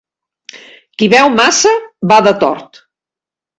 Qui beu massa, va de tort.